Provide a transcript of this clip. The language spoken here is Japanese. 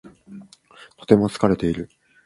とても疲れている。